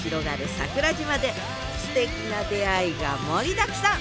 桜島ですてきな出会いが盛りだくさん！